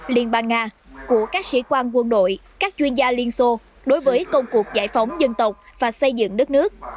liên bang nga của các sĩ quan quân đội các chuyên gia liên xô đối với công cuộc giải phóng dân tộc và xây dựng đất nước